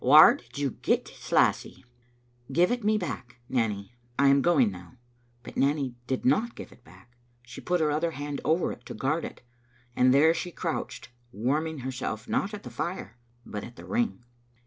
Whaur did you get this, lassie?" "Give it me back, Nanny, I am going now." But Nanny did not give it back ; she put her other hand over it to guard it, and there she crouched, warm ing herself not at the fire, but at the ring.